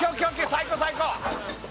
最高最高！